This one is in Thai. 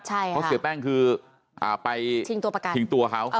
เพราะเสียแป้งคือไปชิงตัวเขา